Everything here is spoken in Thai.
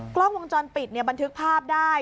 กล้องวงจรปิดบันทึกภาพได้